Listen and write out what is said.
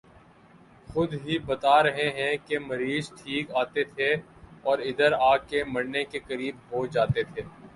خود ہی بتا رہے ہیں کہ مریض ٹھیک آتے تھے اور ادھر آ کہ مرنے کے قریب ہو جاتے تھے